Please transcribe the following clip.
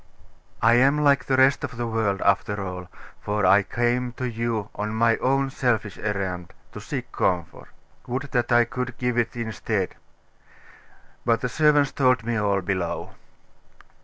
'I am like the rest of the world, after all; for I came to you on my own selfish errand, to seek comfort. Would that I could give it instead! But the servants told me all, below.